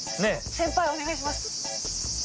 先輩お願いします。